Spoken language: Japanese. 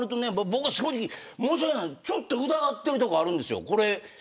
僕は正直、申し訳ないけどちょっと疑っているところあるんですよ。